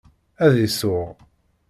Ad isuɣ.